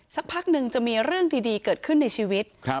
สักพักนึงจะมีเรื่องดีเกิดขึ้นในชีวิต